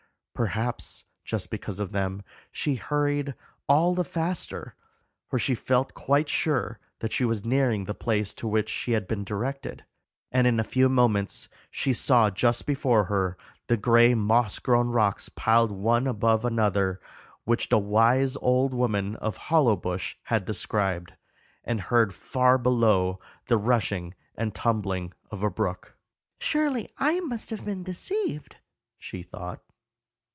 Perhaps, just because of them, she hurried all the faster, for she felt quite sure that she was nearing the place to which she had been directed. And in a few moments she saw just before her the gray moss grown rocks piled one above another which the wise old woman of Hollowbush had described, and heard far below the rushing and tumbling of a brook. Surely I must have been deceived! she thought.